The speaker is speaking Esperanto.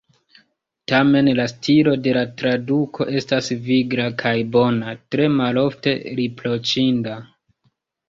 Tamen, la stilo de la traduko estas vigla kaj bona, tre malofte riproĉinda.